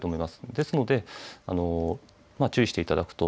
ですので注意していただくと。